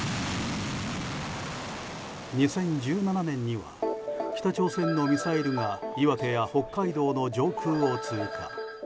２０１７年には北朝鮮のミサイルが岩手や北海道の上空を通過。